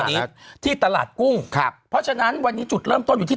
นี้ที่ตลาดกุ้งครับเพราะฉะนั้นวันนี้จุดเริ่มต้นอยู่ที่